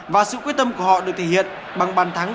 và sự quyết tâm của họ được thể hiện bằng bàn thắng